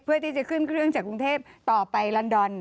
เพื่อที่จะขึ้นเครื่องจากกรุงเทพต่อไปลอนดอน